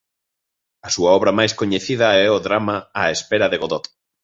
A súa obra máis coñecida é o drama "Á espera de Godot".